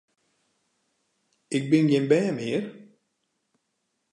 Ik bin gjin bern mear!